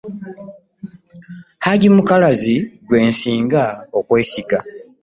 Haji Mukalazi gwe nsinga okwesiga.